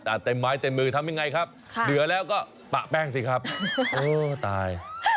แต่เต็มไม้เต็มมือทำยังไงครับเหลือแล้วก็ปะแป้งสิครับโอ้ตาย